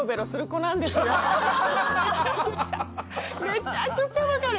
めちゃくちゃ分かる！